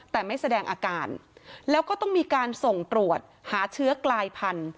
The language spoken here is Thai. แต่ไม่แสดงอาการแล้วก็ต้องมีการส่งตรวจหาเชื้อกลายพันธุ์